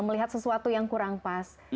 melihat sesuatu yang kurang pas